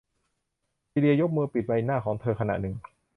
ซีเลียยกมือปิดใบหน้าของเธอขณะหนึ่ง